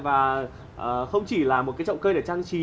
và không chỉ là một cái trọng cây để trang trí